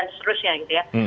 arab perumahan ah amerika